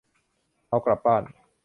เอากลับบ้าน